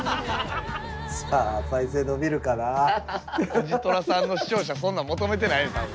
おじとらさんの視聴者そんなん求めてないで多分。